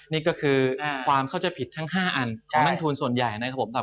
นี่ก็คือความเข้าใจผิดทั้ง๕อันของกองทุนส่วนใหญ่